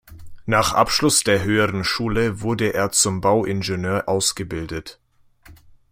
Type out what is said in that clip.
Nach Abschluss der höheren Schule wurde er zum Bauingenieur ausgebildet.